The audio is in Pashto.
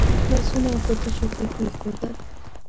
لاسونه یې په تشو کې کېښودل.